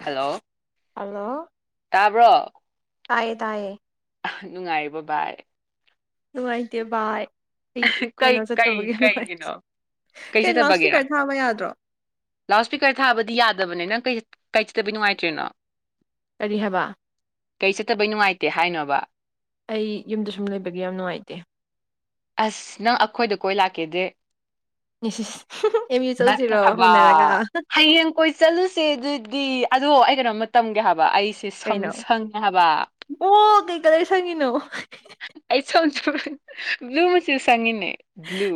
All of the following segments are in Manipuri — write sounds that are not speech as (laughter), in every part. ꯍꯜꯂꯣ ꯇꯥꯕ꯭ꯔꯣ ꯀꯥꯏꯗꯥꯌꯦ ꯅꯨꯡꯉꯥꯏꯔꯤꯕ ꯚꯥꯏ ꯋꯥꯗꯤ ꯕꯥꯏ ꯀꯩ ꯀꯩ ꯀꯩꯒꯤꯅꯣ ꯀꯩ ꯂꯥꯎꯠ ꯆꯠꯇꯕꯒꯦꯔꯥ ꯏꯁꯄꯤꯀꯔ ꯊꯥꯕ ꯌꯥꯗ꯭ꯔꯣ ꯂꯥꯎꯠ ꯏꯁꯄꯤꯀꯔ ꯊꯥꯕꯗꯤ ꯌꯥꯗꯕꯅꯤ ꯅꯪ ꯀꯩ ꯀꯩꯆꯗꯕ ꯅꯨꯡꯉꯥꯏꯇꯔꯅꯣ ꯀꯔꯤ ꯍꯥꯏꯕ ꯀꯩ ꯆꯠꯇꯕꯩ ꯅꯨꯡꯉꯥꯏꯇꯦ ꯍꯥꯏꯅꯣꯕ ꯑꯩ ꯌꯨꯝꯗ ꯁꯨꯝ ꯂꯩꯕꯒꯤ ꯌꯥꯝ ꯅꯨꯡꯉꯥꯏꯇꯦ ꯑꯁ ꯅꯪ ꯑꯩꯈꯣꯏꯗ ꯀꯣꯏ ꯂꯥꯛꯀꯦꯗ ꯏꯁ ꯑꯦꯝ ꯌꯨ ꯆꯧꯁꯤꯔꯣ ꯅꯠꯇ꯭ꯔꯕ ꯍꯧꯅꯔꯒ ꯍꯌꯦꯡ ꯀꯣꯏ ꯆꯠꯂꯨꯁꯦ ꯑꯗꯨꯗꯤ ꯑꯗꯣ ꯀꯩꯅ ꯇꯝꯒꯦ ꯍꯥꯏꯕ ꯑꯩ ꯁꯤ ꯁꯝ ꯀꯩꯅꯣ ꯁꯪꯦ ꯍꯥꯏꯕ ꯀꯗꯥꯏ ꯁꯪꯉꯅꯣ ꯑꯩ ꯁꯣꯟꯝ ꯭ꯂꯨ ꯃꯁꯨꯁꯨ ꯆꯪꯉꯤꯅꯦ ꯕ꯭ꯂ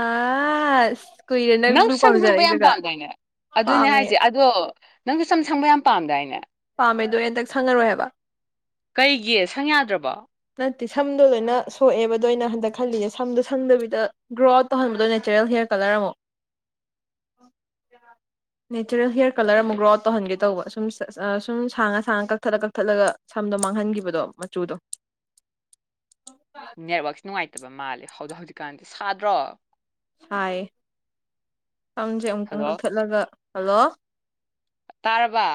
ꯑꯁ ꯀꯨꯏꯔꯦ ꯅꯪ ꯕ꯭ꯂꯨ ꯁꯪ ꯍꯪꯕ ꯌꯥꯝ ꯄꯥꯝꯖꯔꯛꯏꯗꯨꯒ ꯄꯥꯝꯗꯥꯏꯅꯦ ꯑꯗꯨꯅꯦ ꯄꯥꯝꯃꯦ ꯍꯥꯏꯁꯦ ꯑꯗꯣ ꯅꯪꯁꯨꯣ ꯁꯝ ꯁꯪꯕ ꯌꯥꯝ ꯄꯥꯝꯗꯥꯏꯅꯦ ꯄꯥꯝꯃꯦꯗꯣ ꯍꯟꯇꯛ ꯁꯪꯉꯔꯣꯏ ꯍꯥꯏꯕ ꯀꯩꯒꯤ ꯁꯪ ꯌꯥꯗ꯭ꯔꯕꯣ ꯅꯠꯇꯦ ꯁꯝꯗꯣ ꯂꯣꯏꯅ ꯁꯣꯛꯑꯦꯕꯗꯣ ꯑꯩꯅ ꯍꯟꯗꯛ ꯈꯜꯂꯤꯁꯦ ꯁꯝꯗꯣ ꯁꯪꯗꯕꯤꯗ ꯒ꯭ꯔꯣ ꯑꯥꯎꯠ ꯇꯧꯍꯟꯕꯗꯣ ꯅꯦꯆꯔꯦꯜ ꯍꯦꯌꯔ ꯀꯂꯔ ꯑꯃꯨꯛ ꯅꯦꯆꯔꯦꯜ ꯍꯦꯌꯔ ꯀꯂꯔ ꯑꯃꯨꯛ ꯒ꯭ꯔꯣ ꯑꯥꯎꯠ ꯇꯧꯍꯟꯒꯦ ꯇꯧꯕ ꯁꯨꯝ ꯁꯨꯝ ꯁꯥꯡꯉ ꯁꯥꯡꯉ ꯀꯛꯊꯠꯂ ꯀꯛꯊꯠꯂꯒ ꯁꯝꯗꯣ ꯃꯥꯡꯍꯟꯈꯤꯕꯗꯣ ꯃꯆꯨꯗꯣ ꯎ ꯅꯦꯠꯋꯔꯥꯛꯁ ꯅꯨꯡꯉꯥꯏꯇꯕ ꯃꯥꯜꯂꯦ ꯍꯧꯖꯤꯛ ꯍꯧꯖꯤꯛꯀꯥꯟꯗꯤ ꯁꯥꯗ꯭ꯔꯣ ꯁꯥꯏ ꯐꯝꯁꯦ ꯑꯃꯨꯛꯇꯪ ꯍꯜꯂꯣ ꯀꯛꯊꯠꯂꯒ ꯍꯜꯂꯣ ꯇꯥꯔꯕ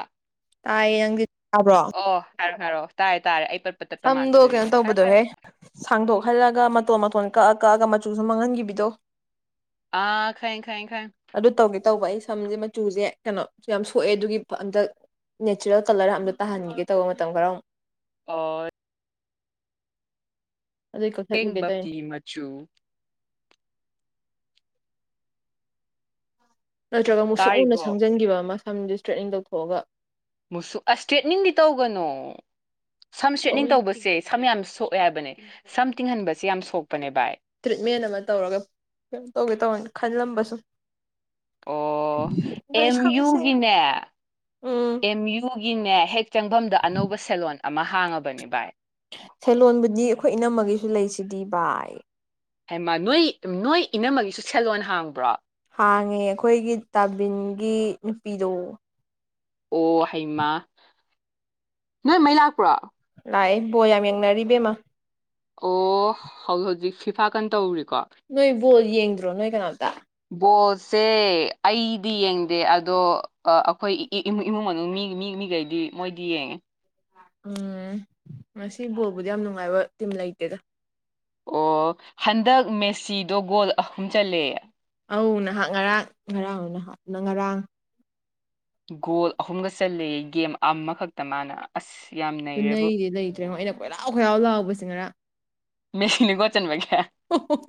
ꯇꯥꯏ ꯌꯥꯪ ꯇꯥꯕ꯭ꯔꯣ ꯑꯣ ꯍꯥꯏꯔꯣ ꯇꯔꯦ ꯇꯥꯔꯦ ꯄꯠꯄ ꯇꯠꯄ ꯁꯝꯗꯣ ꯀꯩꯅꯣ ꯃꯥꯟꯕꯗꯨꯒꯤꯅꯦ ꯍꯥꯏꯔꯣ ꯍꯥꯏꯔꯣ ꯇꯧꯕꯗꯣꯍꯦ ꯁꯥꯡꯗꯣꯛꯍꯜꯂꯒ ꯃꯇꯣꯟ ꯃꯇꯣꯟ ꯀꯛꯑ ꯀꯛꯑꯒ ꯃꯆꯨꯁꯨ ꯃꯥꯡꯍꯟꯈꯤꯕꯗꯣ ꯑꯥ ꯈꯥꯏ ꯈꯥꯏ ꯈꯥꯏ ꯇꯧꯒꯦ ꯇꯧꯕ ꯑꯩ ꯁꯝꯁꯦ ꯃꯆꯨꯁꯦ ꯀꯩꯅꯣꯁꯨ ꯌꯥꯝ ꯁꯣꯛꯑꯦ ꯑꯗꯨꯒꯤ ꯑꯝꯇ ꯅꯦꯆꯔꯦꯜ ꯀꯂꯔ ꯑꯝꯇ ꯇꯥꯍꯟꯒꯦ ꯇꯧꯕ ꯃꯇꯝ ꯈꯔ ꯑꯃꯨꯛ ꯍꯣꯏ ꯑꯗꯨꯏ ꯇꯦꯡ ꯀꯛꯊꯠꯂꯨꯒꯦ ꯇꯧꯅꯤ ꯞꯤ ꯃꯆꯨ ꯅꯠꯇ꯭ꯔꯒ ꯃꯨꯛꯁꯨꯛ ꯃꯨꯟꯅ ꯇꯥꯔꯤꯕꯣ ꯁꯪꯖꯟꯈꯤꯕ ꯑꯃ ꯁꯝꯗꯤ ꯏꯁꯇ꯭ꯔꯦꯠꯅꯤꯡ ꯇꯧꯊꯣꯛꯑꯒ ꯃꯨꯁꯨ ꯑꯁ ꯏꯁꯇ꯭ꯔꯦꯠꯅꯤꯡꯗꯤ ꯇꯧꯒꯅꯣ ꯁꯝ ꯁꯦꯠꯅꯤꯡ ꯑꯧ ꯇꯧꯕꯁꯦ ꯁꯝ ꯌꯥꯝ ꯁꯣꯛꯑꯦ ꯍꯥꯏꯕꯅꯦ ꯁꯝ ꯊꯤꯡꯍꯟꯕꯁꯤ ꯌꯥꯝ ꯁꯣꯛꯄꯅꯦ ꯚꯥꯏ ꯇ꯭ꯔꯤꯠꯃꯦꯟ ꯑꯃ ꯇꯧꯔꯒ ꯀꯩꯅ ꯇꯧꯒꯦ ꯇꯧꯋꯦꯅ ꯈꯜꯂꯝꯕꯁꯨ ꯑꯣ ꯑꯗꯣ ꯑꯦꯝ ꯏꯁꯝꯁꯦ ꯌꯨꯒꯤꯅꯦ ꯎꯝ ꯑꯦꯝ ꯌꯨꯒꯤꯅꯦ ꯍꯦꯛ ꯆꯪꯐꯝꯗ ꯑꯅꯧꯕ ꯁꯦꯂꯣꯟ ꯑꯃ ꯍꯥꯡꯉꯕꯅꯤ ꯚꯥꯏ ꯁꯦꯂꯣꯟꯕꯨꯗꯤ ꯑꯩꯈꯣꯏ ꯏꯅꯝꯃꯒꯤꯁꯨ ꯂꯩꯁꯤꯗꯤ ꯚꯥꯏ ꯍꯦꯃ ꯅꯣꯏ ꯅꯣꯏ ꯏꯅꯝꯃꯒꯤꯁꯨ ꯁꯦꯜꯂꯣꯟ ꯍꯥꯡꯕ꯭ꯔꯣ ꯍꯥꯡꯉꯦ ꯑꯩꯈꯣꯏꯒꯤ ꯇꯥꯕꯤꯟꯒꯤ ꯅꯨꯄꯤꯗꯣ ꯑꯣ ꯍꯩꯃꯥ ꯅꯣꯏ ꯃꯩ ꯂꯥꯛꯄ꯭ꯔꯣ ꯀꯥꯏ ꯕꯣ ꯌꯥꯝ ꯌꯦꯡꯅꯔꯤꯕꯕꯦꯝꯃ ꯑꯣ ꯍꯧꯖꯤꯛ ꯍꯧꯖꯤꯛ ꯐꯤꯐꯥ ꯀꯟ ꯇꯧꯔꯔꯤꯕ ꯅ ꯣꯜ ꯌꯦꯡ ꯣ ꯅꯣꯏ ꯀꯅꯥꯣ ꯕꯣꯠꯁꯦ ꯑꯩꯗꯤ ꯌꯦꯡꯗꯦ ꯑꯗꯣ ꯑꯩꯈꯣꯏ ꯏꯃꯨꯡ ꯃꯅꯨꯡ ꯃꯤ ꯃꯤ ꯃꯤꯈꯩꯗꯤ ꯃꯣꯏꯗꯤ ꯌꯦꯡꯉꯦ ꯎꯝ ꯉꯁꯤ ꯕꯣꯜꯕꯨꯗꯤ ꯌꯥꯝ ꯅꯨꯡꯉꯥꯏꯕ ꯇꯤꯝ ꯂꯩꯇꯦꯗ ꯑꯣ ꯍꯟꯗꯛ ꯃꯦꯁꯤꯗꯣ ꯒꯣꯜ ꯑꯍꯨꯝ ꯆꯜꯂꯦ ꯑ ꯅꯍꯥꯛ ꯉꯔꯥꯡ ꯉꯔꯥꯡ ꯅꯍꯥꯛꯅ ꯉꯔꯥꯡ ꯒꯣꯜ ꯑꯍꯨꯝꯒ ꯆꯂ ꯒꯦꯝ ꯑꯃꯈꯛꯇ ꯃꯥꯅ ꯑꯁ ꯌꯥꯝ ꯅꯩꯔꯦꯕꯨ ꯄꯨꯅꯩꯗꯤ ꯂꯩꯇ꯭ꯔꯦꯉꯣ ꯑꯩꯅ ꯀꯣꯏꯂꯥꯎ ꯈꯣꯏꯔꯥꯎ ꯂꯥꯎꯕꯁꯤ ꯉꯔ ꯃꯦꯁꯅꯤꯒꯣꯆꯟꯕ ꯑꯣ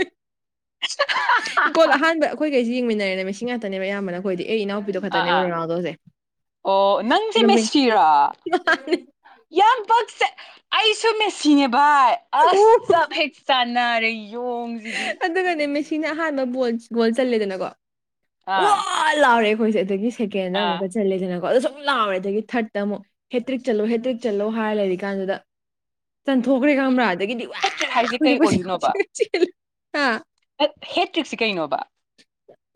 ꯏꯪꯀꯣꯜ ꯑꯍꯥꯟꯕ ꯑꯩꯈꯣꯏ ꯀꯩꯁꯤ ꯌꯦꯡꯃꯤꯟꯅꯔꯦꯅꯦ ꯃꯤꯁꯤꯡ ꯉꯥꯛꯇꯅꯦꯕꯌꯥꯝꯕꯅ ꯑꯩꯈꯣꯏꯗꯤ ꯑꯩ ꯏꯅꯥꯎꯄꯤꯗꯣ ꯑ ꯈꯛꯇꯅꯦꯕ ꯑ ꯔꯣꯅꯥꯜꯗꯣꯁꯦ ꯑꯣ ꯅꯪꯁꯦ ꯑꯗꯨꯝ ꯃꯁꯤꯔ ꯌꯥ ꯑꯩꯁꯨ ꯃꯦ ꯁꯤꯉ ꯕꯥꯏ ꯑꯣ ꯑꯕ ꯍꯦꯆ ꯆꯥꯟ ꯔꯦ ꯌꯣꯡꯁꯤꯗꯤ ꯁꯤꯅ ꯑꯍꯥꯟꯕ ꯣ ꯒꯣꯜ ꯆꯜꯂꯦꯗꯅꯀꯣ ꯑꯣ ꯑꯥ ꯑꯜꯥꯔ ꯍꯣꯏꯁꯦ ꯑꯗꯒꯤ ꯊꯦꯅ ꯑꯥ ꯑꯃꯨꯀ ꯆꯠꯂꯗꯅ ꯀ ꯂꯥꯎꯔꯦ ꯑꯗꯒꯤ ꯊꯥꯔꯠꯇ ꯑꯃꯨꯛ ꯍꯦꯛꯇ꯭ꯔꯤꯛ ꯆꯠꯂꯨ ꯍꯦꯇ꯭ꯔꯤꯛ ꯆꯠꯂꯨ ꯍꯥꯏꯔ ꯂꯩꯔꯤꯀꯥꯟꯗꯨꯗ ꯆꯟꯊꯣꯛꯈ꯭ꯔꯦ ꯈꯪꯕ꯭ꯔꯥ ꯑꯗꯒꯤꯗꯤ ꯋꯥ ꯍꯦꯇ꯭ꯔꯤꯛ ꯍꯥꯏꯁꯦ ꯑꯩꯈꯣꯏꯁꯦ ꯀꯣꯏꯁꯦ ꯀꯧꯁ ꯍꯥꯥ ꯍꯦꯠꯇ꯭ꯔꯤꯛꯁꯤ ꯀꯩꯅꯣꯕ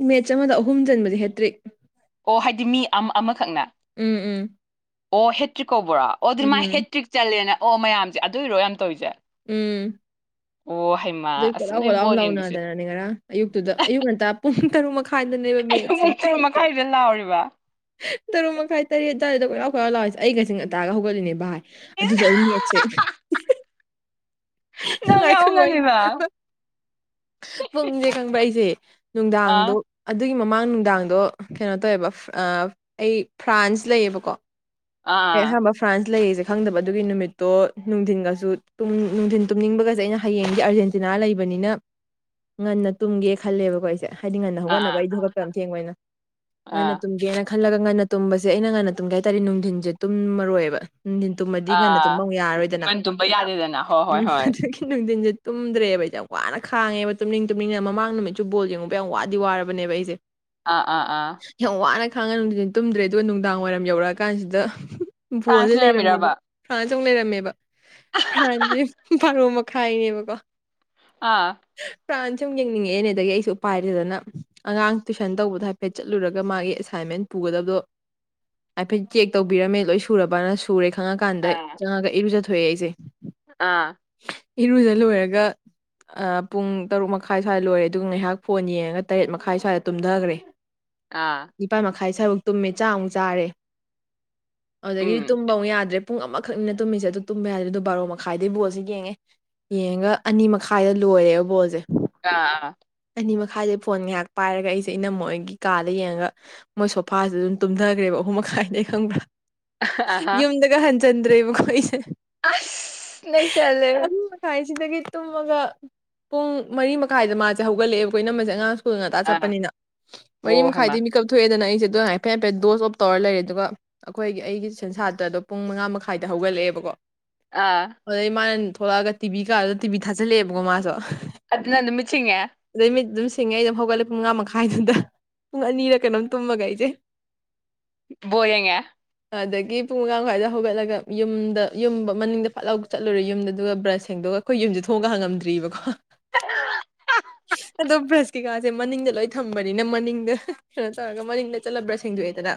ꯃꯦꯠꯆ ꯑꯃꯗ ꯑꯍꯨꯝ ꯆꯟꯕꯗꯤ ꯍꯦꯠꯇ꯭ꯔꯤ ꯑꯣ ꯍꯥꯏꯗꯤ ꯃꯤ ꯑꯃ ꯑꯃꯈꯛꯅ ꯎꯝ ꯎꯝ ꯑꯣ ꯍꯦꯠ ꯀꯕ꯭ꯔꯣ ꯑꯣ ꯑꯗꯨ ꯃꯥ ꯎꯝ ꯍꯦꯇ꯭ꯔꯤꯛ ꯆꯠꯂꯦꯅ ꯑꯣ ꯃꯌꯥꯝꯁꯦ ꯑꯗꯨꯏꯔꯣ ꯌꯥꯝ ꯇꯧꯔꯤꯁꯦ ꯎꯝ ꯑꯣ ꯍꯩꯃꯥ ꯑꯗꯨꯏ ꯑꯁ ꯈꯣꯠꯂꯥꯎ ꯅꯣꯏ ꯈꯣꯠꯂꯥꯎ ꯕꯣꯜ ꯌꯦꯡꯕꯁꯦ ꯂꯥꯎꯅꯗꯅꯅꯦ ꯉꯔ ꯑꯌꯨꯛꯇꯨꯗ ꯑꯌꯨꯛ ꯉꯟꯇꯥ ꯄꯨꯡ ꯇꯔꯨꯛ ꯃꯈꯥꯏꯗꯅꯦꯕ ꯃꯦꯠꯁꯦ ꯏꯗꯂ ꯑꯔꯤꯔꯤꯕ ꯇ ꯃ ꯀꯥꯏ ꯇꯔ ꯆ ꯆꯔꯤꯗ ꯀꯣꯏꯔꯥꯎ ꯀꯣꯏꯔꯥꯎ ꯂꯥꯎꯏꯁꯦ ꯑꯩꯒꯆꯤꯡ ꯑ ꯇꯇꯥꯒ ꯍꯧꯒꯠꯂꯤꯅꯦ ꯚ ꯍꯥꯏ ꯑꯗꯨꯗꯣ ꯏꯁ ꯑꯩ ꯃꯦꯠꯁꯦ ꯅꯪ ꯌꯥꯍꯧ ꯈꯣꯏ ꯋꯥꯔꯤꯅꯤ ꯉꯜꯂꯤꯕ ꯄꯨꯡꯁꯦ ꯈꯪꯕ ꯑꯩꯁꯦ ꯅꯨꯡꯗꯥꯡꯗꯣ ꯑꯥ ꯑꯗꯨꯒꯤ ꯃꯃꯥꯡ ꯅꯨꯡꯗꯥꯡꯗꯣ ꯀꯩꯅꯣ ꯇꯧꯋꯦꯕ ꯑꯩ ꯐ꯭ꯔꯥꯟꯁ ꯂꯩꯌꯦꯕꯀꯣ ꯑꯦ ꯍꯥ ꯑꯥ ꯃꯥ ꯐ꯭ꯔꯥꯟꯁ ꯂꯩꯁꯦ ꯈꯪꯗꯕ ꯑꯗꯨꯒꯤ ꯅꯨꯃꯤꯠꯇꯣ ꯅꯨꯡꯊꯤꯟꯒꯁꯨ ꯅꯨꯡꯊꯤꯟ ꯇꯨꯝꯅꯤꯡꯕꯒꯁꯦ ꯑꯩꯅ ꯍꯌꯦꯡꯗꯤ ꯑꯥꯔꯖꯦꯟꯇꯤꯅꯥ ꯂꯩꯕꯅꯤꯅ ꯉꯟꯅ ꯇꯨꯝꯒꯦ ꯈꯜꯂꯦꯕꯀꯣ ꯑꯩꯁꯦ ꯍꯥꯏꯗꯤ ꯉꯟꯅ ꯍꯧꯒꯠꯅꯕ ꯑꯥ ꯑꯩ ꯊꯕꯛꯇ ꯑ ꯊꯦꯡꯕꯣꯏꯅ ꯑꯥ ꯉꯟꯅ ꯑꯥ ꯇꯨꯝꯒꯦꯅ ꯍꯜꯂꯒ ꯉꯟꯅꯨꯝꯕꯁꯦ ꯑꯩꯅ ꯉꯟꯅ ꯇꯨꯝꯒꯦ ꯍꯥꯏꯥꯔꯗꯤ ꯅꯨꯡꯊꯤꯟꯁꯤ ꯇꯨꯝ ꯃꯔꯣꯏꯑꯕ ꯅꯨꯡꯊꯤꯟ ꯇꯨꯝꯃꯗꯤ ꯉꯟꯅ ꯇꯨꯝꯕ ꯑꯥ ꯑꯃꯨꯛ ꯌꯥꯔꯔꯣꯏꯗꯅ ꯃꯟ ꯇꯨꯝꯕ ꯌꯥꯗꯦꯗꯅ ꯍꯣꯏ ꯍꯣꯏ ꯎꯝ ꯍꯣꯏ ꯑꯗꯨꯒꯤ ꯅꯨꯡꯊꯤꯟꯁꯦ ꯇꯨꯝꯗ꯭ꯔꯦꯕ ꯑꯩꯁꯦ ꯌꯥꯝ ꯋꯥꯅ ꯈꯥꯡꯉꯦꯕ ꯇꯨꯝꯅꯤꯡ ꯇꯨꯝꯅꯤꯡꯗ ꯃꯃꯥꯡ ꯅꯨꯃꯤꯠꯁꯨ ꯕꯣꯜ ꯌꯦꯡꯉꯨꯕ ꯌꯥꯝ ꯋꯥꯗꯤ ꯋꯥꯔꯕꯅꯦꯕ ꯑꯩꯁꯦ ꯑꯥ ꯑꯥ ꯑꯥ ꯊꯥꯡ ꯉꯥꯅꯨꯡꯗꯨꯅ ꯇꯨꯝꯗ꯭ꯔꯦ ꯑꯗꯨꯒ ꯅꯨꯡꯗꯥꯡ ꯋꯥꯏꯔꯝ ꯌꯧꯔꯛꯑꯀꯥꯟꯁꯤꯗ ꯕꯣꯜꯗꯦ ꯐ꯭ꯔꯥꯟꯁ ꯂꯩꯔꯝꯃꯦꯕ ꯂꯩꯔꯝꯃꯤꯔꯕ ꯐꯔ ꯇ ꯂꯩꯔꯝꯃꯦꯕ ꯐꯥꯟꯁꯦ ꯐꯥꯔꯣ ꯃꯈꯥꯏꯅꯦꯕꯀꯣ ꯑꯥ ꯄꯨꯔꯥꯟꯅ ꯁꯨꯝ ꯌꯦꯡꯅꯤꯡꯉꯛꯑꯦꯅꯦ ꯑꯗꯒꯤ ꯑꯩꯁꯨ ꯎ ꯄꯥꯏꯗꯗꯅ ꯑꯉꯥꯡ ꯇꯨꯏꯁꯟ ꯇꯧꯕꯗꯣ ꯍꯥꯏꯐꯦꯠ ꯆꯠꯂꯨꯔꯒ ꯃꯥꯒꯤ ꯑꯦꯁꯥꯏꯟꯃꯦꯟ ꯄꯨꯒꯗꯕꯗꯣ ꯍꯥꯏꯐꯦꯠ ꯆꯦꯛ ꯇꯧꯕꯤꯔꯝꯃꯦ ꯂꯣꯏ ꯁꯨꯔꯕꯅ ꯁꯨꯔꯦ ꯊꯥ ꯀꯗ ꯑꯥ ꯆ ꯀꯕꯤ ꯊꯣꯛꯑꯦ ꯑꯩꯁꯦ ꯑꯥ ꯏꯔꯨꯖ ꯂꯣꯏꯔꯒ ꯄꯨꯡ ꯇꯔꯨꯛ ꯃꯈꯥꯏ ꯁ꯭ꯋꯥꯏꯗ ꯂꯣꯏꯔꯦ ꯑꯗꯨꯒ ꯉꯥꯏꯍꯥꯛ ꯐꯣꯟ ꯌꯦꯡꯉꯒ ꯇꯔꯦꯠ ꯃꯈꯥꯏ ꯁ꯭ꯋꯥꯏꯗ ꯇꯨꯝꯊꯈ꯭ꯔꯦ ꯑꯥ ꯇꯪꯈꯥꯏ ꯁꯔꯨꯛ ꯇꯨꯝꯃꯦ ꯆꯥꯛ ꯑꯃꯨꯛ ꯆꯥꯔꯦ ꯑꯗꯨꯗꯒꯤꯗꯤ ꯎꯝ ꯇꯨꯝꯕ ꯑꯃꯨꯛ ꯌꯥꯗ꯭ꯔꯦ ꯄꯨꯡ ꯑꯃꯈꯛꯅꯤꯅ ꯇꯨꯝꯃꯤꯁꯦ ꯑꯗꯨ ꯇꯨꯝꯕ ꯌꯥꯗ꯭ꯔꯦ ꯑꯗꯣ ꯕꯥꯔꯣ ꯃꯈꯥꯏꯗ ꯕꯣꯜꯁꯦ ꯌꯦꯡꯉꯦ ꯌꯦꯡꯉꯒ ꯑꯅꯤ ꯃꯈꯥꯏꯗ ꯂꯣꯏꯔꯦꯕ ꯕꯣꯜꯁꯦ ꯑꯥ ꯑꯥ ꯑꯅꯤ ꯃꯈꯥꯏꯁꯦ ꯐꯣꯟ ꯉꯥꯏꯍꯥꯛ ꯄꯥꯏꯔꯒ ꯑꯩꯁꯦ ꯑꯩꯅꯃ ꯑꯩꯒꯤ ꯀꯥꯗ ꯌꯦꯡꯉꯒ ꯃꯣꯏ ꯁꯣꯐꯥꯁꯨ ꯑꯗꯨꯝ ꯇꯨꯝꯊꯈ꯭ꯔꯦꯕ ꯑꯍꯨꯝ ꯃꯈꯥꯏꯗꯩ ꯈꯪꯕ꯭ꯔꯥ ꯑꯍꯥ ꯌꯨꯝꯗꯒ ꯍꯟ ꯆꯟꯗ꯭ꯔꯦꯕ ꯃꯈꯣꯏ ꯑꯁ ꯂꯩ ꯆꯂꯦ ꯁꯤꯗꯒꯤ ꯇꯨꯝꯃꯒ ꯄꯨꯡ ꯃꯔꯤ ꯃꯈꯥꯏꯗ ꯃꯥ ꯁ ꯍꯧꯒꯠꯂꯛꯑꯦ ꯑꯩꯈꯣꯏ ꯃꯁ ꯑꯉꯥꯡ ꯊꯨ ꯉꯇꯥ ꯑꯥ ꯆꯠꯄꯅꯤꯅ ꯃꯔꯤ ꯑꯣ ꯍꯩꯃ ꯃꯈꯥꯏꯗꯤ ꯃꯤꯀꯞ ꯊꯣꯛꯑꯦꯗꯅ ꯑꯩꯁꯤꯗ ꯑꯗꯨ ꯍꯥꯏꯐꯦꯠ ꯍꯥꯏꯐꯦꯠ ꯗꯣꯁ ꯑꯣꯞ ꯇꯧꯔ ꯂꯩꯔꯦ ꯑꯗꯨꯒ ꯑꯩꯈꯣꯏꯒꯤ ꯑꯩꯒꯤ ꯁꯦꯟꯁꯥꯇ꯭ꯔ ꯑꯗꯣ ꯄꯨꯡ ꯃꯉꯥ ꯃꯈꯥꯏꯗ ꯍꯧꯒꯠꯂꯛꯑꯦꯕꯀꯣ ꯑꯥ ꯑꯗ ꯏꯃꯅ ꯊꯣꯛꯂꯛꯑꯒ ꯇꯤꯕꯤ ꯀꯥꯗꯨꯗ ꯇꯤꯕꯤꯤ ꯊꯥꯜꯂꯛꯑꯦꯕꯀ ꯃꯥꯁꯨ ꯑꯗꯨ ꯅ ꯅꯨꯃꯤꯁꯤꯉ ꯑꯗꯩ ꯃꯤꯠ ꯑꯗꯨꯝ ꯁꯤꯡꯉꯦ ꯑꯩ ꯑꯗꯨꯝ ꯍꯧꯒꯠꯂꯦ ꯄꯨꯡ ꯃꯉꯥ ꯃꯈꯥꯏꯗꯨꯝꯗ ꯄꯨꯡ ꯑꯅꯤꯗ ꯀꯩꯅꯣꯝ ꯇꯨꯝꯃꯒ ꯑꯩꯁꯦ ꯔꯦꯉ ꯑꯗꯒꯤ ꯄꯨꯡ ꯃꯉꯥꯡ ꯃꯈꯋꯥꯏꯗ ꯍꯧꯒꯠꯂꯒ ꯌꯨꯝꯗ ꯌꯨꯝ ꯃꯅꯤꯡꯗ ꯄꯠꯂꯥꯎ ꯆꯠꯂꯨꯔꯦ ꯌꯨꯝꯗ ꯑꯗꯨꯒ ꯕ꯭ꯔꯁ ꯁꯦꯡꯗꯣꯛꯒ ꯑꯩꯈꯣꯏ ꯌꯨꯝꯁꯦ ꯊꯣꯡꯉ ꯍꯪꯉꯝꯗ꯭ꯔꯤꯕꯀꯣ (unintelligible) ꯑꯗꯣ ꯕ꯭ꯔꯁ ꯀꯩꯀꯥꯁꯦ ꯃꯅꯤꯡꯗ ꯂꯣꯏ ꯊꯝꯕꯅꯤꯅ ꯃꯅꯤꯡꯗ ꯀꯩꯅꯣ ꯇꯧꯔꯒ ꯃꯅꯤꯡꯗ ꯆꯠꯂꯕ꯭ꯔꯥ ꯁꯦꯡꯗꯣꯛꯑꯦꯗꯅ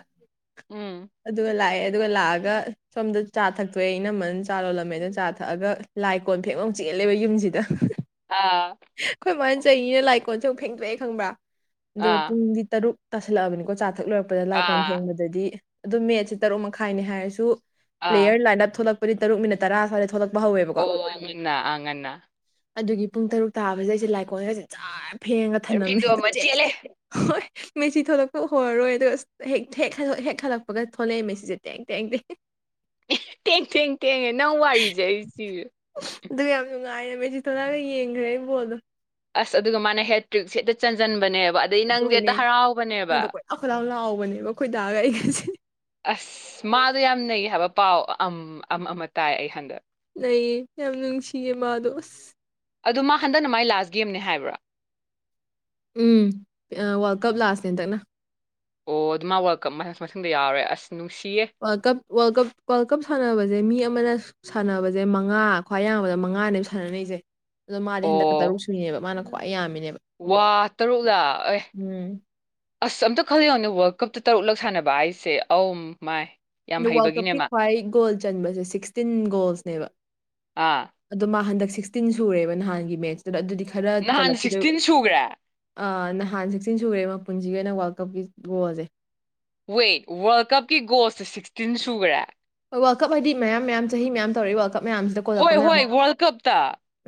ꯎꯝ ꯑꯗꯨ ꯂꯑ ꯑꯗꯨꯒ ꯂꯥꯛꯑꯒ ꯁꯣꯝꯗ ꯆꯥ ꯊꯛꯇꯣꯛꯑꯦ ꯑꯩꯅꯃꯅ ꯆꯥ ꯂꯣꯜꯂꯝꯃꯦ ꯑꯣ ꯆꯥ ꯊꯛꯑꯒ ꯂꯥꯏ ꯀꯣꯟ ꯐꯦꯛꯃ ꯆꯦꯜꯂꯦꯕ ꯌꯨꯝꯁꯤꯗ ꯑꯥ ꯑꯩꯣꯏ ꯃꯥꯏꯟ ꯆꯩꯅꯤꯅ ꯂꯥꯏꯀꯣꯟꯦꯨꯛ ꯐꯦꯡꯗꯣꯛꯑꯦ ꯈꯪꯕ꯭ꯔꯥ ꯑꯗꯨꯒ ꯑꯥ ꯄꯨꯡꯗꯤ ꯇꯔꯨꯛ ꯇꯁꯦ ꯂꯥꯛꯑꯅꯤꯣ ꯆꯥ ꯊꯛꯂꯣꯏꯨꯔꯛꯄꯗ ꯂꯥꯏꯀꯣꯟ ꯑꯥ ꯐꯦꯡꯕꯗꯗꯤ ꯑꯗꯨꯣ ꯃꯦꯠꯁꯦ ꯇꯔꯨꯛ ꯃꯈꯥꯏꯅꯦ ꯍꯥꯏꯔꯁꯨ ꯑꯥ ꯄ꯭ꯂꯦꯟ ꯂꯥꯏꯟ ꯊꯣ ꯂ ꯄꯔꯤ ꯇꯔꯨ ꯃꯤꯅꯤꯠꯔꯥ ꯁ꯭ꯋꯥꯗ ꯊꯣꯛꯂꯛ ꯑꯣꯅꯥ ꯑꯉꯅꯥ ꯑꯗꯨꯒꯤ ꯄꯨꯡ ꯇꯔꯨꯛ ꯇꯥꯕꯁꯗ ꯑꯩꯁꯦ ꯂꯥꯏ ꯑꯩꯈꯣꯏꯁꯦ ꯆꯥ ꯐꯦꯡꯒ ꯊꯝꯂꯝꯝꯃꯦ ꯐꯦꯡꯗꯣꯛ ꯑꯗꯨ ꯑꯃ ꯆꯦꯜꯂꯦ ꯆꯦꯜꯂꯛꯑꯦ ꯍꯣꯏ ꯃꯦꯆꯤ ꯊꯣꯛꯂꯛꯄ ꯍꯔꯔꯣꯏ ꯑꯗꯣ ꯑ ꯍꯦꯛ ꯍꯜꯂꯛꯄꯒ ꯊꯣꯛꯂꯛꯑꯦ ꯃꯦꯆꯁꯦ ꯇꯦꯡ ꯇꯦꯡ ꯇꯦꯡ ꯊꯦꯡ ꯊꯦꯡ ꯊꯦꯡꯉꯦ ꯅꯪ ꯋꯥꯔꯤꯁꯦ ꯑꯩ ꯁꯤꯁꯦ ꯑꯗꯨ ꯌꯥꯝ ꯅꯨꯡꯉꯥꯏꯔꯦꯕ ꯑꯩ ꯆꯤꯊꯣꯔꯒ ꯌꯦꯡꯈ꯭ꯔꯦ ꯏꯕꯣꯜꯗꯣ ꯑꯁ ꯑꯗꯨꯒ ꯃꯥꯅ ꯍꯦꯇ꯭ꯔꯤꯛꯁꯦꯛꯇ ꯆꯟꯁꯤꯟꯕꯅꯦꯕ ꯑꯗꯩ ꯅꯪꯁꯦ ꯑꯗꯨꯅꯦ ꯍꯦꯛꯇ ꯍꯔꯥꯎꯕꯅꯦꯕ ꯇꯧꯕꯅꯦꯕ ꯑꯩꯈꯣꯏ ꯇꯥꯛꯑꯒ ꯑꯩꯁꯦ ꯑꯁ ꯃꯥꯗꯣ ꯌꯥꯝ ꯅꯩ ꯍꯥꯏꯕ ꯄꯥꯎ ꯑꯃ ꯇꯥꯏ ꯑꯩ ꯍꯟꯗꯛ ꯅ ꯌꯥꯝ ꯅꯅꯨꯡꯁꯤꯦ ꯃꯥꯗꯣꯁ ꯑꯗꯨ ꯃꯥ ꯍꯟꯗꯛꯅ ꯃꯥꯏ ꯂꯖ ꯒꯦꯝꯅꯦ ꯍꯥꯏꯕ꯭ꯔꯥ ꯎꯝ ꯋꯥꯔꯜ ꯀꯞ ꯂꯥꯁꯅꯦ ꯍꯟꯗꯛꯅ ꯑꯣ ꯑꯗꯨ ꯃꯥ ꯋꯦꯜꯀ ꯃꯊꯗ ꯌꯥꯎꯔꯦ ꯑꯁ ꯅꯨꯡꯁꯤꯌꯦ world cup world cup world cup ꯁꯥꯟꯅꯕꯁꯦ ꯃꯤ ꯑꯃꯅ ꯁꯥꯟꯅꯕꯁꯦ ꯃꯉꯥ ꯈ꯭ꯋꯥꯏ ꯌꯥꯡꯕꯗ ꯃꯉꯥꯅꯦꯕ ꯁꯥꯟꯅꯁꯦ ꯑꯗꯣ ꯃꯥꯗꯤ ꯍꯟꯗꯛꯛꯇ ꯑꯣ ꯇꯔꯨꯛ ꯁꯨꯏꯦꯕ ꯃꯥꯅ ꯌꯥꯝꯃꯤ ꯋꯥ ꯇꯔꯨꯛ ꯂꯥꯛ ꯑꯦ ꯎꯝ ꯑꯁ ꯑꯝꯇ ꯈꯜꯂꯤꯂ ꯌꯥꯎꯅꯦ ꯋ ꯀꯞꯇ ꯇꯔꯨꯛꯂꯛ ꯁꯥꯟꯅꯕ ꯍꯥꯏꯁꯦ ꯑꯝ ꯃꯥꯏ ꯌꯥꯝ ꯋꯥꯔꯜꯗ ꯍꯩꯕꯒꯤꯅꯦ ꯀꯞꯀꯤ ꯃꯥ ꯈ꯭ꯋꯥꯏ ꯒꯣꯜ ꯆꯟꯕꯁꯦ ꯁꯤꯛꯁꯇꯤꯟ ꯒꯣꯜꯁꯅꯦꯕ ꯑꯥ ꯑꯗꯣ ꯃꯥ ꯍꯟꯗꯛ ꯁꯤꯛꯁꯇꯤꯟ ꯁꯨꯔꯦꯕ ꯅꯍꯥꯟꯒꯤ ꯃꯦꯠꯁꯇꯨꯗ ꯑꯗꯨꯗꯤ ꯈꯔ ꯅꯍꯥꯟ ꯆꯜꯂꯛꯈꯤꯗꯣꯏ ꯁꯤꯛꯁꯇꯤꯟ ꯁꯨꯈ꯭ꯔꯦ ꯅꯍꯥꯟ ꯁꯤꯛꯇꯤꯟ ꯁꯨꯔꯦ ꯃꯄꯨꯟꯁꯤꯒꯤ ꯑꯣꯏꯅ ꯋꯥꯔꯜ ꯀꯞꯀꯤ ꯒꯣꯜꯁꯦ ꯋꯦꯠ ꯋꯥꯔꯜ ꯀꯞꯀꯤ ꯒꯣꯜꯁꯁꯦ ꯁꯤꯛꯁꯇꯤꯟ ꯁꯨꯈ꯭ꯔꯦ ꯋꯥꯀꯞ ꯍꯥꯏꯗꯤ ꯃꯌꯥꯝ ꯃꯌꯥꯝ ꯆꯍꯤ ꯃꯌꯥꯝ ꯇꯧꯔꯛꯏ ꯋꯥꯀꯞ ꯍꯣꯏ ꯍꯣꯏ ꯋꯥꯔꯜ ꯀꯞꯇ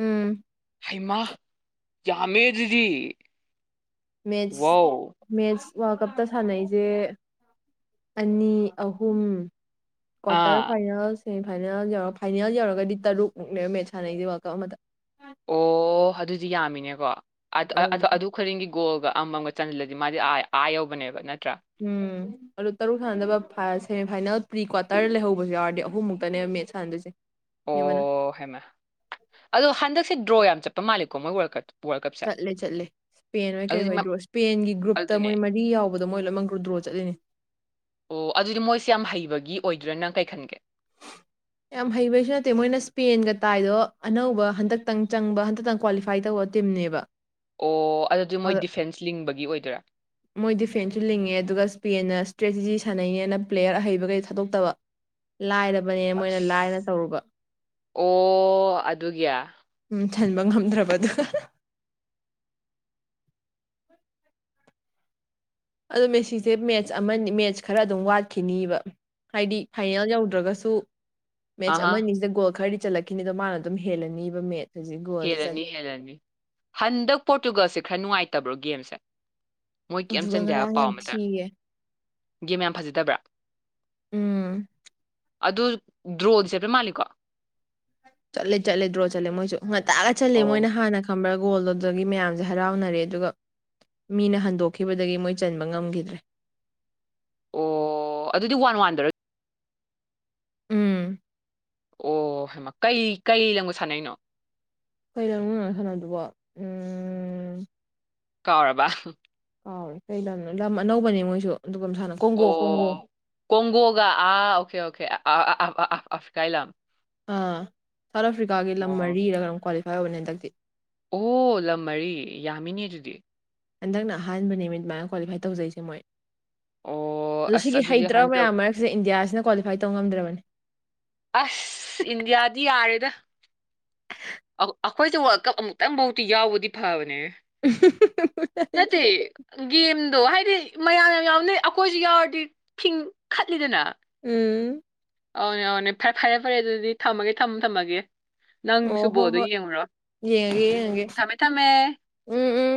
ꯎꯝ ꯍꯩꯃꯥ ꯌꯥꯃꯦ ꯑꯗꯨꯗꯤ ꯃꯦꯠ ꯋꯥꯎ ꯃꯦꯠ ꯋꯥꯔꯜ ꯀꯞꯇ ꯁꯥꯟꯅꯩꯁꯦ ꯑꯅꯤ ꯑꯍꯨꯝ ꯀ꯭ꯇꯔ ꯑꯥ ꯐꯥꯏꯅꯜꯁ ꯁꯦꯃꯤꯐꯥꯏꯅꯦꯜ ꯌꯧꯔ ꯐꯥꯏꯅꯦꯜ ꯌꯧꯔꯒꯗꯤ ꯇꯔꯨꯛꯨꯛꯦꯕ ꯃꯦꯠꯆ ꯁꯥꯟꯅꯩꯁꯗꯤ ꯋꯥꯔꯜ ꯀꯞ ꯑꯃꯗ ꯑꯣ ꯑꯗꯨꯗꯤ ꯌꯥꯝꯃꯤꯅꯦꯀꯣ ꯎꯝ ꯑꯗꯨ ꯈꯗꯤꯡꯒꯤꯒꯣꯛꯑꯒ ꯑꯃꯥꯡꯒ ꯆꯟꯁꯤꯜꯂꯗꯤ ꯃꯥꯗꯤ ꯑ ꯑꯥ ꯌꯧꯕꯅꯦꯕ ꯅꯠꯇ꯭ꯔꯥ ꯎꯝ ꯑꯗꯣ ꯇꯔꯨꯛ ꯁꯥꯟꯅꯗꯅꯕ ꯁꯦꯃꯤꯐꯥꯏꯅꯦꯜ ꯄ꯭ꯔꯤ ꯀ꯭ꯋꯥꯔꯇꯔ ꯂꯩꯍꯧꯕꯁꯨ ꯌꯥꯎꯔꯗꯤ ꯑꯍꯨꯝꯃꯨꯛꯇꯅꯦꯕ ꯃꯦꯠ ꯁꯥꯟꯅꯗꯣꯏꯁꯦ ꯃꯤ ꯑꯃꯅ ꯑꯣ ꯍꯩꯃꯥ ꯑꯗꯣ ꯍꯟꯗꯛꯁꯦ ꯗ꯭ꯔꯣ ꯌꯥꯝ ꯆꯠ ꯄ ꯃꯥꯜꯂꯤꯀꯣ ꯃꯣꯏ ꯋꯥꯔꯜ ꯀꯞ꯫ ꯋꯥꯔꯜ ꯀꯞꯁꯦ ꯆꯠꯂꯦ ꯆꯠꯂꯦ ꯏꯁꯄꯦꯟ ꯍꯣꯏ ꯑꯗꯨꯗꯤ ꯀꯩꯍꯣꯏ ꯃ- ꯗ꯭ꯔꯣ ꯏꯁꯄꯦꯟꯒꯤ ꯒ꯭ꯔꯨꯞꯇ ꯑꯗꯨꯅꯦ ꯃꯣꯏ ꯃꯔꯤ ꯌꯥꯎꯕ ꯑꯗꯣ ꯃꯣꯏ ꯂꯣꯏꯃꯛ ꯒ꯭ꯔꯨ ꯗ꯭ꯔꯣ ꯆꯠꯂꯤꯅꯦ꯫ ꯑꯣ ꯑꯗꯨꯗꯤ ꯃꯣꯏꯁꯦ ꯌꯥꯝ ꯍꯩꯕꯒꯤ ꯑꯣꯏꯗ꯭ꯔꯥ ꯅꯪ ꯀꯩ ꯈꯟꯒꯦ꯫ ꯌꯥꯝ ꯍꯩꯕꯩꯁꯨ ꯅꯠꯇꯦ ꯃꯣꯏꯅ ꯏꯁꯄꯦꯟꯒ ꯇꯥꯏꯗꯣ ꯑꯅꯧꯕ ꯍꯟꯗꯛꯇꯪ ꯆꯪꯕ ꯍꯟꯗꯛꯇꯪ ꯀ꯭ꯋꯥꯂꯤꯐꯥꯏ ꯇꯧꯕ ꯇꯤꯝꯅꯦꯕ꯫ ꯑꯣ꯫ ꯑꯗꯨꯗꯤ ꯃꯣꯏ ꯑꯗꯣ ꯗꯤꯐꯦꯟꯁ ꯂꯤꯡꯕꯒꯤ ꯑꯣꯏꯗꯣꯏꯔꯥ ꯃꯣꯏ ꯗꯤꯐꯦꯟꯁꯨ ꯂꯤꯡꯉꯦ ꯑꯗꯨꯒ ꯏꯁꯄꯦꯟꯅ ꯁꯇ꯭ꯔꯦꯇꯤꯖꯤ ꯁꯥꯟꯅꯩꯅꯦꯅ ꯄ꯭ꯂꯦꯌꯔ ꯑꯍꯩꯕꯈꯩ ꯊꯥꯗꯣꯛꯇꯕ ꯂꯥꯏꯔ ꯑꯁ ꯑꯣ ꯑꯗꯨꯒꯤ꯫ ꯎꯝ ꯊꯟꯕ ꯉꯝꯗ꯭ꯔꯕ ꯑꯗꯨꯒ꯫ ꯑꯗꯨ ꯃꯦꯁꯤꯁꯦ ꯃꯦꯠꯆ ꯑꯃꯅꯤ ꯃꯦꯠꯆ ꯈꯔ ꯑꯗꯨꯝ ꯋꯥꯠꯈꯤꯅꯤꯕ ꯍꯥꯏꯗꯤ ꯐꯥꯏꯅꯦꯜ ꯌꯧꯗ꯭ꯔꯒꯁꯨ꯫ ꯃꯦꯠꯆ ꯑꯍꯥ ꯑꯃꯅꯤꯁꯤꯗ ꯒꯣꯜ ꯈꯔꯗꯤ ꯆꯠꯂꯛꯈꯤꯅꯤꯗꯣ ꯃꯥꯅ ꯑꯗꯨꯝ ꯍꯦꯜꯂꯅꯤꯕ ꯃꯦꯠ꯫ ꯍꯦꯜꯂꯅꯤ ꯍꯦꯜꯂꯅꯤ ꯍꯟꯗꯛ ꯄꯣꯔꯇꯨꯒꯜꯁꯦ ꯈꯔ ꯅꯨꯡꯉꯥꯏ ꯇꯕ꯭ꯔꯣ ꯒꯦꯝꯁꯦ꯫ ꯃꯣꯏ ꯀꯩꯝ ꯑꯗꯨꯒ ꯆꯟꯗꯦ ꯍꯥꯏꯕ ꯉꯔꯥꯡ ꯄꯥꯎ ꯌꯥꯝ ꯑꯃꯇ ꯊꯤꯌꯦ꯫ ꯒꯦꯝ ꯌꯥꯝ ꯐꯖꯗꯕ꯭ꯔꯥ꯫ ꯎꯝ꯫ ꯑꯗꯨ ꯗ꯭ꯔꯣꯗꯤ ꯆꯠꯄ ꯃꯥꯜꯂꯤꯀꯣ꯫ ꯆꯠꯂꯦ ꯆꯠꯂꯦ ꯗ꯭ꯔꯣ ꯆꯠꯂꯦ ꯃꯣꯏꯁꯨ꯫ ꯉꯟꯇꯥꯒ ꯆꯜꯂꯦ ꯑꯣ ꯃꯣꯏꯅ ꯍꯥꯟꯅ ꯈꯡꯕ꯭ꯔꯥ꯫ ꯒꯣꯜ ꯑꯗꯨꯗꯒꯤ ꯃꯌꯥꯝꯁꯦ ꯍꯔꯥꯎꯅꯔꯦ ꯑꯗꯨꯒ ꯃꯤꯅ ꯍꯟꯗꯣꯛꯈꯤꯕꯗꯒꯤ ꯃꯣꯏ ꯆꯟꯕ ꯉꯝꯒꯤꯗ꯭ꯔꯦ꯫ ꯑꯣ ꯑꯗꯨꯗꯤ ꯋꯥꯟ ꯋꯥꯟꯗꯔꯣ ꯎꯝ꯫ ꯑꯣ ꯀꯩ ꯀꯩ ꯂꯝꯒ ꯁꯥꯟꯅꯩꯅꯣ꯫ ꯀꯩ ꯂꯝꯅꯣ ꯅꯍꯥꯟ ꯁꯥꯟꯅꯕꯗꯨꯕꯣ ꯎꯝ꯫ ꯀꯥꯎꯔꯕ꯫ ꯑꯥꯎ ꯀꯩ ꯂꯝꯅꯣ ꯂꯝ ꯑꯅꯧꯕꯅꯦ ꯃꯣꯏꯁꯨ꯫ ꯑꯗꯨꯒ ꯁꯥꯟꯅ ꯀꯣꯡꯒꯣ ꯀꯣꯡꯒꯣ ꯑꯣ ꯀꯣꯡꯒꯣꯒ ꯑꯥ ꯑꯣꯀꯦ ꯑꯣꯀꯦ꯫ ꯑꯥ ꯑꯥ ꯑꯥ ꯑꯁ ꯀꯥꯏ ꯂꯝ꯫ ꯑꯥ ꯁꯥꯎꯠ ꯑꯐ꯭ꯔꯤꯀꯥꯒꯤ ꯂꯝ ꯑꯣ ꯃꯔꯤꯔꯒꯨꯝ ꯀ꯭ꯋꯥꯂꯤ ꯐꯔꯕꯅꯦ ꯍꯟꯗꯛꯇꯤ꯫ ꯑꯣ ꯂꯝ ꯃꯔꯤ ꯌꯥꯝꯃꯤꯅꯦ ꯑꯗꯨꯗꯤ꯫ ꯍꯟꯗꯛꯅ ꯑꯍꯥꯟꯕ ꯅꯨꯃꯤꯠ ꯑꯗꯨꯃꯥꯏꯅ ꯀ꯭ꯋꯥꯂꯤꯐꯥꯏ ꯇꯧꯖꯩꯁꯦ ꯃꯣꯏ꯫ ꯑꯣ ꯑꯗꯨ ꯑꯁ ꯁꯤꯒꯤ ꯑꯗꯨꯗꯤ ꯍꯩꯇ꯭ꯔꯕ ꯍꯟꯗꯛ ꯃꯌꯥꯝ ꯃꯔꯛꯁꯦ ꯏꯟꯗꯤꯌꯥꯁꯤꯅ ꯀ꯭ꯋꯥꯂꯤꯐꯥꯏ ꯇꯧ ꯉꯝꯗ꯭ꯔꯕꯅꯤ꯫ ꯑꯁ ꯏꯟꯗꯤꯌꯥꯗꯤ ꯌꯥꯔꯦꯗ꯫ ꯑꯩꯈꯣꯏꯁꯦ ꯋꯥꯔꯜ ꯀꯞ ꯑꯃꯨꯛꯇꯪ ꯐꯥꯎꯗꯤ ꯌꯥꯎꯕꯗꯤ ꯐꯕꯅꯦꯍꯦ꯫ ꯅꯠꯇꯦ ꯒꯦꯝ꯫ ꯑꯗꯣ ꯍꯥꯏꯗꯤ ꯃꯌꯥꯝ ꯌꯥꯝ ꯌꯥꯎꯅ ꯑꯩꯈꯣꯏꯁꯨ ꯌꯥꯎꯔꯗꯤ ꯈꯤꯤꯡ ꯈꯠꯂꯤꯗꯅ ꯎꯝ ꯑꯧꯅꯦ ꯑꯧꯅꯦ ꯐꯔꯦ ꯐꯔꯦ ꯐꯔꯦ ꯑꯗꯨꯗꯤ ꯊꯝꯃꯒꯦ ꯊꯝꯃ ꯊꯝꯃꯒꯦ ꯅꯪ ꯑꯣ ꯍꯣ ꯕꯣꯗꯣ ꯍꯣꯏ ꯌꯦꯡꯉꯨꯔꯣ ꯌꯦꯡꯉꯒꯦ ꯌꯦꯡꯉꯒꯦ ꯎꯝ ꯊꯝꯃꯦ ꯊꯝꯃꯦ ꯎꯝ ꯎꯝ